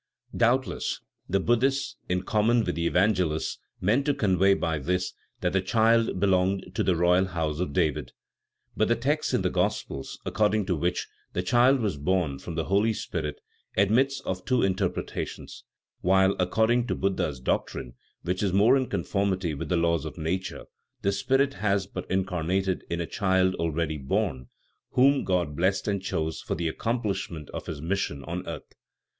Doubtless the Buddhists, in common with the Evangelists, meant to convey by this that the child belonged to the royal house of David; but the text in the Gospels, according to which "the child was born from the Holy Spirit," admits of two interpretations, while according to Buddha's doctrine, which is more in conformity with the laws of nature, the spirit has but incarnated in a child already born, whom God blessed and chose for the accomplishment of His mission on earth.